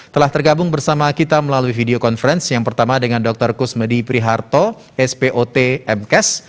telah tergabung bersama kita melalui video conference yang pertama dengan dr kusmedi priharto spot mkes